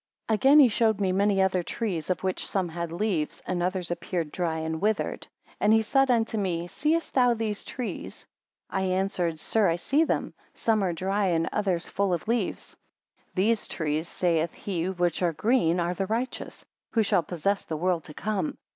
AGAIN he showed me many other trees, of which some had leaves, and others appeared dry and withered. And he said unto me, Seest thou these trees I answered, Sir, I see them; some are dry, and others full of leaves. 2 These trees, saith be, which are green, are the righteous, who shall possess the world to come.